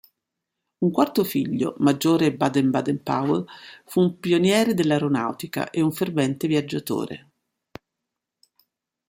Un quarto figlio, Maggiore Baden Baden-Powell fu un pioniere dell'aeronautica e un fervente viaggiatore.